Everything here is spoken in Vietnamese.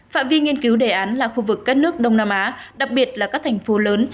phạm vi nghiên cứu đề án là khu vực các nước đông nam á đặc biệt là các thành phố lớn